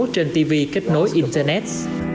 trên tv kết nối internet